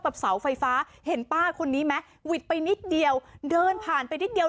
เสาไฟฟ้าเห็นป้าคนนี้ไหมหวิดไปนิดเดียวเดินผ่านไปนิดเดียว